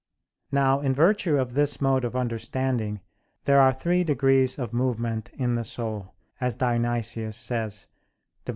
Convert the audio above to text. Now, in virtue of this mode of understanding, there are three degrees of movement in the soul, as Dionysius says (Div.